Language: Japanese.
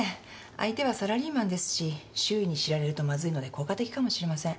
相手はサラリーマンですし周囲に知られるとまずいので効果的かもしれません。